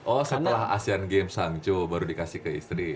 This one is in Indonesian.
oh setelah asean games hangzhou baru dikasih ke istri